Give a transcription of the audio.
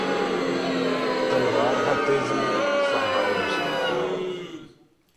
تلوار ہے تیزی میں صہبائے مسلمانی